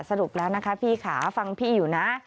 สรุปแล้วนะคะพี่ขาฟังพี่อยู่นะ